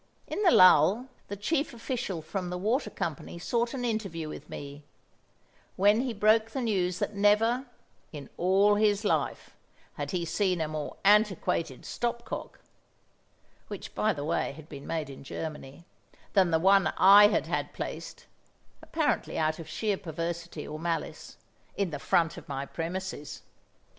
In the lull, the chief official from the water company sought an interview with me, when he broke the news that never, in all his life, had he seen a more antiquated stop cock (which, by the way, had been made in Germany) than the one I had had placed (apparently out of sheer perversity or malice) in the front of my premises.